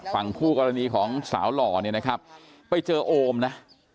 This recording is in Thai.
ฝั่งคู่กรณีของสาวหล่อเนี่ยนะครับไปเจอโอมนะ